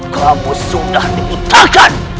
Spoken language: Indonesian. kamu sudah diputarkan